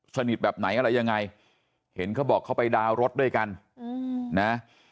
แบบไหนอะไรยังไงเห็นเขาบอกเขาไปดาวน์รถด้วยกันนะ